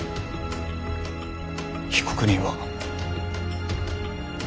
被告人は。